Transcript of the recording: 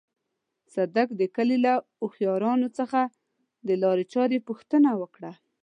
صدک د کلي له هوښيارانو څخه د لارې چارې پوښتنه وکړه.